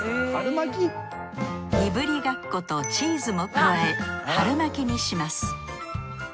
いぶりがっことチーズも加え春巻きにします。